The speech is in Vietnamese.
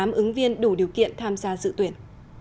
hiện có một bảy trăm ba mươi tám ứng viên đủ điều kiện tham gia dự tuyển